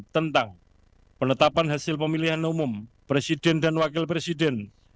tentang penetapan hasil pemilihan umum presiden dan wakil presiden